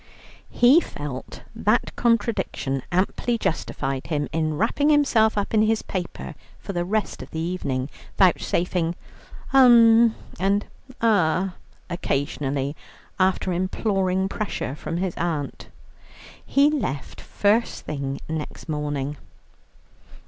He felt that contradiction amply justified him in wrapping himself up in his paper for the rest of the evening, vouchsafing "um" and "ah" occasionally after imploring pressure from his aunt. He left first thing next morning.